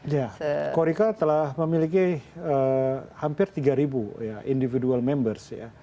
ya korika telah memiliki hampir tiga ribu individual members